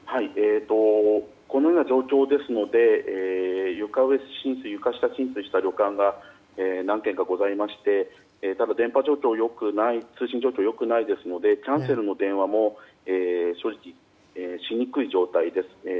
このような状況ですので床上・床下浸水した旅館が何軒かございまして電波状況、通信状況が良くないですのでキャンセルの電話も正直、しにくい状態です。